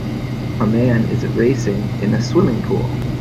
A man is racing in a swimming pool.